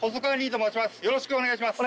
よろしくお願いします。